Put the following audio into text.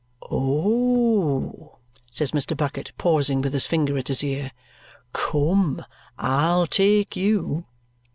"Oh!" says Mr. Bucket, pausing, with his finger at his ear. "Come, I'll take YOU."